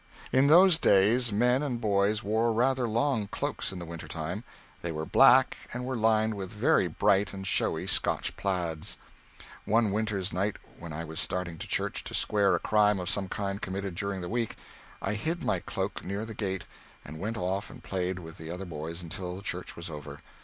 In those days men and boys wore rather long cloaks in the winter time. They were black, and were lined with very bright and showy Scotch plaids. One winter's night when I was starting to church to square a crime of some kind committed during the week, I hid my cloak near the gate and went off and played with the other boys until church was over.